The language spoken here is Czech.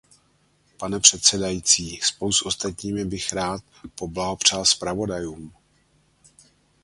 Pane předsedající, spolu s ostatními bych rád poblahopřál zpravodajům.